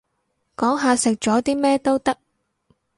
講下食咗啲咩都得